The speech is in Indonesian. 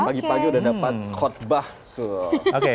pagi pagi udah dapat khotbah tuh mantep ya